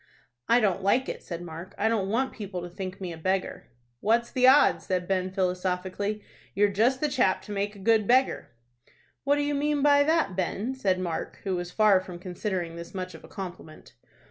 "I don't like it," said Mark. "I don't want people to think me a beggar." "What's the odds?" said Ben, philosophically. "You're just the chap to make a good beggar." "What do you mean by that, Ben?" said Mark, who was far from considering this much of a compliment.